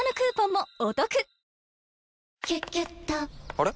あれ？